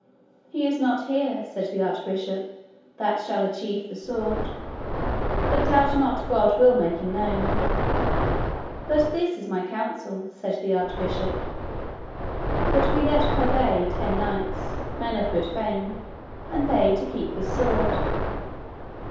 He is not here, said the Archbishop, that shall achieve the sword, but doubt not God will make him known. But this is my counsel, said the Archbishop, that we let purvey ten knights, men of good fame, and they to keep this sword.